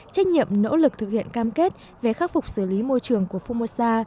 trách nhiệm nỗ lực thực hiện cam kết về khắc phục xử lý môi trường của fumosa